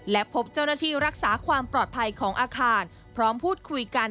และพบเจ้าหน้าที่รักษาความปลอดภัยของอาคารพร้อมพูดคุยกัน